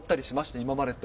今までと。